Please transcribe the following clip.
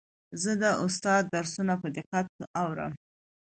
زه د استاد درسونه په دقت اورم.